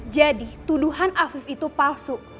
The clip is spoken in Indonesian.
jadi tuduhan afif itu palsu